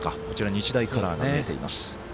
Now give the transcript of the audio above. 日大カラーが見えています。